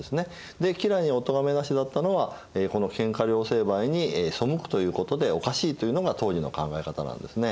吉良におとがめなしだったのはこの喧嘩両成敗に背くということでおかしいというのが当時の考え方なんですね。